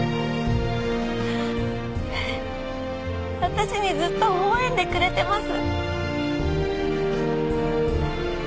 私にずっとほほ笑んでくれてます。